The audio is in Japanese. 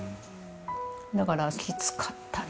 だから、きつかったね。